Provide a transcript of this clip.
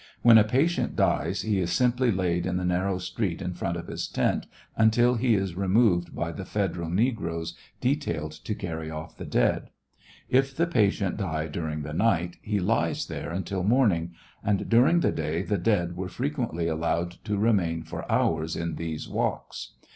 When a patient dies he is simply laid in the narrow street iu front of his tent, until he is removed by the federal negroes detailed to carry off the dead. If the patient die during the night, he lies there nntil morning ; and during the day the dead were frequently allowed to remain for hours in these walks.